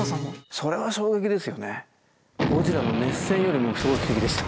それは衝撃ですよね。